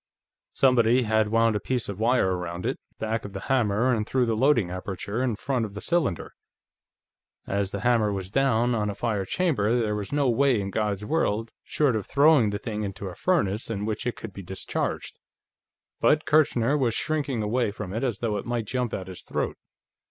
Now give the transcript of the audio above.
Somebody had wound a piece of wire around it, back of the hammer and through the loading aperture in front of the cylinder; as the hammer was down on a fired chamber, there was no way in God's world, short of throwing the thing into a furnace, in which it could be discharged, but Kirchner was shrinking away from it as though it might jump at his throat.